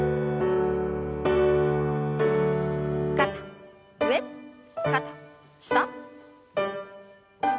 肩上肩下。